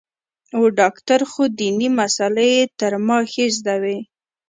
و ډاکتر خو ديني مسالې يې تر ما ښې زده وې.